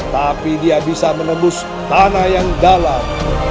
tapi dia bisa menembus tanah yang dalam